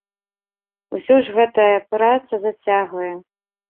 Усё ж гэтая праца зацягвае.